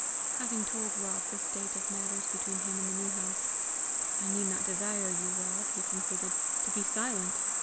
Having told Rob the state of matters between him and the New House "I need not desire you, Rob," he concluded, "to be silent!